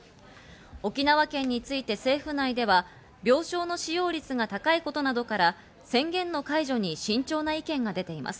沖縄県について政府内では病床の使用率が高いことなどから宣言の解除に慎重な意見が出ています。